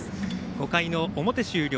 ５回の表、終了。